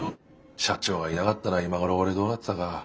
社長がいなかったら今頃俺どうなってたか。